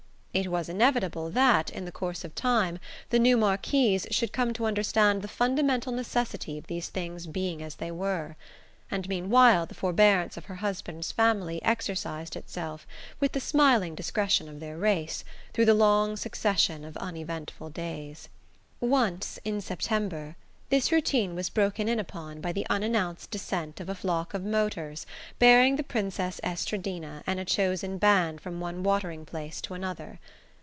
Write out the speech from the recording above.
It was inevitable that, in the course of time, the new Marquise should come to understand the fundamental necessity of these things being as they were; and meanwhile the forbearance of her husband's family exercised itself, with the smiling discretion of their race, through the long succession of uneventful days. Once, in September, this routine was broken in upon by the unannounced descent of a flock of motors bearing the Princess Estradina and a chosen band from one watering place to another.